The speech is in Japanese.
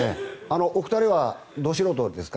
お二人はど素人ですか？